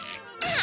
あ？